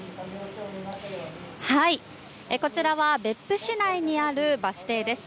こちらは別府市内にあるバス停です。